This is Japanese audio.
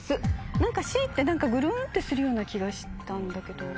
何かＣってグルンってするような気がしたんだけど。